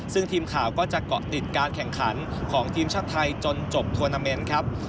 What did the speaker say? ซึ่งทีมข่าวก็จะเกาะติดการแข่งขันของทีมชาติไทยจนจบทวนาเมนต์ครับ